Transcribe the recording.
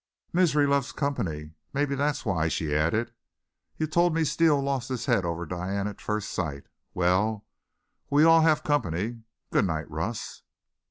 "Misery loves company. Maybe that's why," she added. "You told me Steele lost his head over Diane at first sight. Well, we all have company. Good night, Russ."